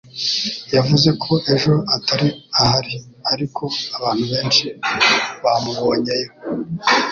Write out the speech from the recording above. Yavuze ko ejo atari ahari; ariko, abantu benshi bamubonyeyo.